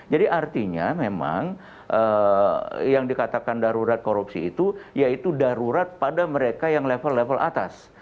jadi artinya memang yang dikatakan darurat korupsi itu yaitu darurat pada mereka yang level level atas